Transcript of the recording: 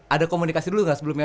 ada komunikasi dulu nggak sebelumnya